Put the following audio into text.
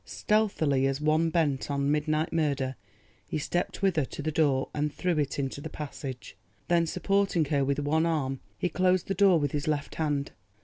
Stealthily as one bent on midnight murder, he stepped with her to the door and through it into the passage. Then supporting her with one arm, he closed the door with his left hand.